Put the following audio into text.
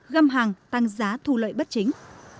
găm hàng tăng giá thu lợi bất chính